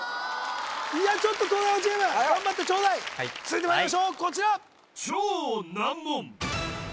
いやちょっと東大王チーム頑張ってちょうだい続いてまいりましょうこちら